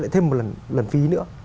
thêm một lần phí nữa